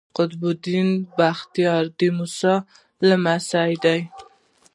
قطب الدین بختیار د موسی لمسی دﺉ.